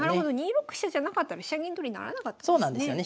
２六飛車じゃなかったら飛車銀取りならなかったですね。